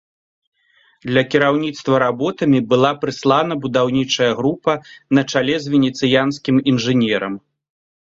Для кіраўніцтва работамі была прыслана будаўнічая група на чале з венецыянскім інжынерам.